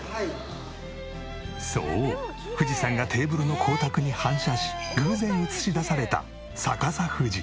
そう富士山がテーブルの光沢に反射し偶然映し出された逆さ富士。